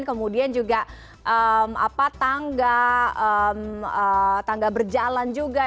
kemudian juga eee apa tangga eee tangga berjalan juga